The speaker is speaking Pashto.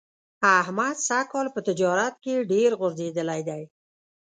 احمد سږ کال په تجارت کې ډېر غورځېدلی دی.